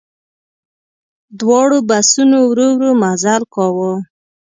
دواړو بسونو ورو ورو مزل کاوه.